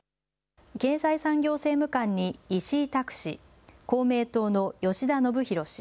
経済産業省政務官に石井拓氏、公明党の吉田宣弘氏。